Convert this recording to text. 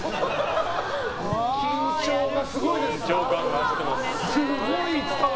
緊張がすごいです！